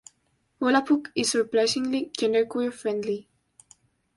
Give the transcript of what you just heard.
Volapük is surprisingly genderqueer-friendly.